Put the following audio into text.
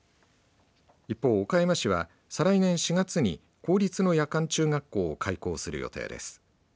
一方、岡山市は再来年４月に公立の夜間中学校を開校する予定です。